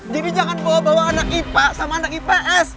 jadi jangan bawa bawa anak ipa sama anak ips